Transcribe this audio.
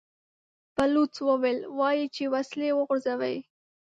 بلوڅ وويل: وايي چې وسلې وغورځوئ!